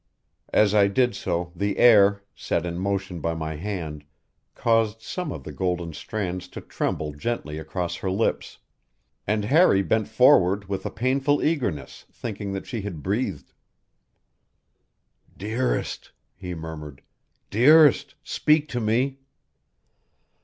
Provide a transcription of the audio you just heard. As I did so the air, set in motion by my hand, caused some of the golden strands to tremble gently across her lips; and Harry bent forward with a painful eagerness, thinking that she had breathed. "Dearest," he murmured, "dearest, speak to me!"